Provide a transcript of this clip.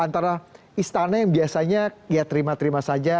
antara istana yang biasanya ya terima terima saja